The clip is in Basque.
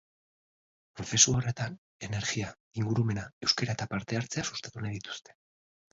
Prozesu horretan, energia, ingurumena, euskara eta parte-hartzea sustatu nahi dituzte.